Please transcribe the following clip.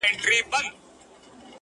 وبېرېدم.